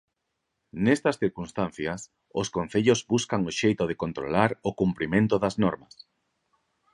Nestas circunstancias, os concellos buscan o xeito de controlar o cumprimento das normas.